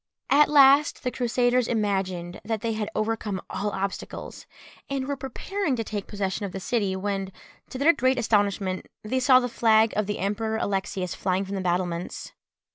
At last the Crusaders imagined that they had overcome all obstacles, and were preparing to take possession of the city, when, to their great astonishment, they saw the flag of the Emperor Alexius flying from the battlements.